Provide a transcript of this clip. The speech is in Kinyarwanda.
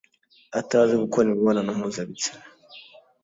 atazi gukora imibonano mpuzabitsina